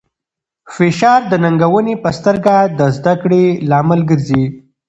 فشار د ننګونې په سترګه د زده کړې لامل ګرځي.